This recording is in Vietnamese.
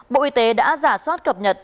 bộ y tế đã giả soát cập nhật